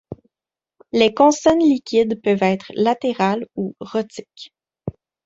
Les consonnes liquides peuvent être latérales ou rhotiques.